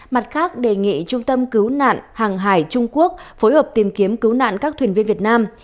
mặt khác đề nghị trung tâm cứu nạn hàng hải trung quốc phối hợp tìm kiếm cứu nạn các thuyền viên việt nam